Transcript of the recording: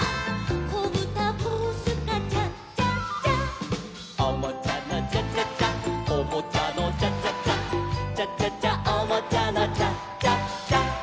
「こぶたブースカチャチャチャ」「おもちゃのチャチャチャおもちゃのチャチャチャ」「チャチャチャおもちゃのチャチャチャ」